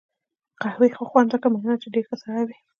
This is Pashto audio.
قهوې ښه خوند وکړ، مننه، چې ډېر ښه سړی وې.